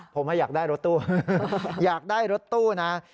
ผมอยากได้รถตู้อยากได้รถตู้นะ